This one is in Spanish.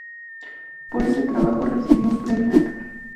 Por este trabajo recibió un premio Edgar.